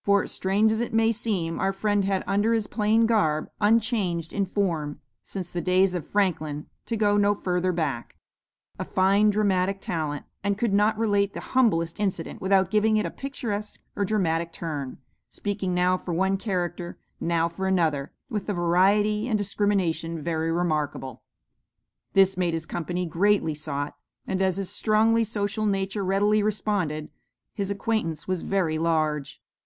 For, strange as it may seem, our friend had under his plain garb unchanged in form since the days of Franklin, to go no further back a fine dramatic talent, and could not relate the humblest incident without giving it a picturesque or dramatic turn, speaking now for one character, now for another, with a variety and discrimination very remarkable. This made his company greatly sought, and as his strongly social nature readily responded, his acquaintance was very large.